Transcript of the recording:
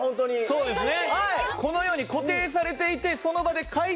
そうなんですね。